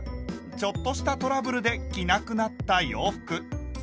ちょっとしたトラブルで着なくなった洋服。